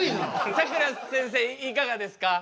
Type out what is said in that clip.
さくらせんせいいかがですか？